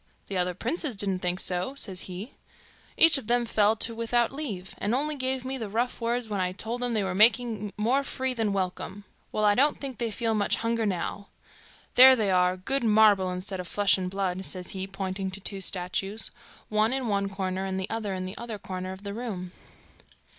'The other princes didn't think so,' says he. 'Each o' them fell to without leave, and only gave me the rough words when I told them they were making more free than welcome. Well, I don't think they feel much hunger now. There they are, good marble instead of flesh and blood,' says he, pointing to two statues, one in one corner, and the other in the other corner of the room.